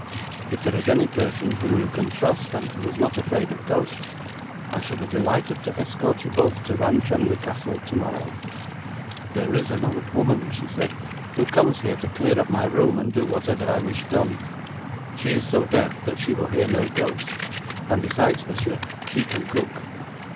If there is any person whom you can trust, and who is not afraid of ghosts, I shall be delighted to escort you both to Rantremly Castle tomorrow.' 'There is an old woman,' she said, 'who comes here to clear up my room, and do whatever I wish done. She is so deaf that she will hear no ghosts, and besides, monsieur, she can cook.'